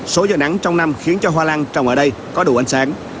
số giờ nắng trong năm khiến cho hoa lan trồng ở đây có đủ ánh sáng